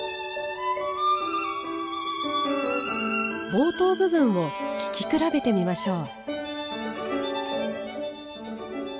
冒頭部分を聴き比べてみましょう。